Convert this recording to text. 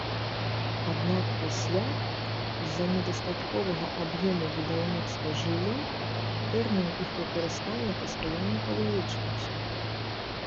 Аднак пасля, з-за недастатковага аб'ёму будаўніцтва жылля, тэрмін іх выкарыстання пастаянна павялічваўся.